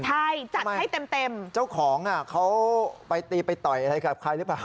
ใช่จัดให้เต็มเต็มเจ้าของอ่ะเขาไปตีไปต่อยอะไรกับใครหรือเปล่า